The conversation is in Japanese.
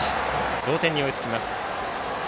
同点に追いつきます。